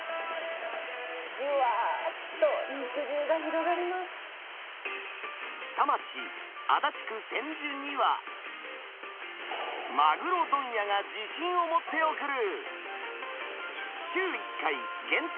じゅわーっと肉汁が広がりま下町、足立区千住には、マグロ問屋が自信を持って送る、週１回、限定